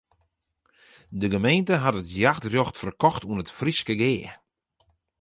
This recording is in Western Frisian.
De gemeente hat it jachtrjocht ferkocht oan it Fryske Gea.